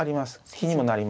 気にもなります。